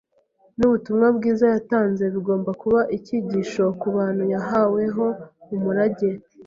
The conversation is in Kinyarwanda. n’ubutumwa bwiza yatanze bigomba kuba icyigisho ku bantu yahaweho umurage